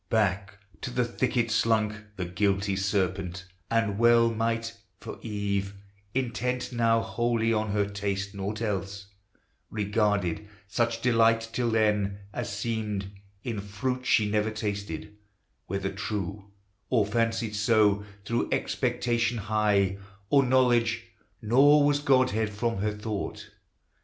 Back to the thicket slunk The guilty serpent, and well might, for Eve Intent now wholly on her taste nought else Regarded, such delight till then, as seemed, In fruit she never tasted, whether true Or fancied so, through expectation high Of knowledge: nor was Godhead from her thought.